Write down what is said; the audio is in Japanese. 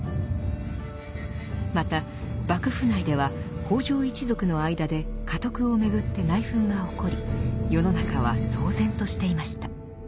また幕府内では北条一族の間で家督をめぐって内紛が起こり世の中は騒然としていました。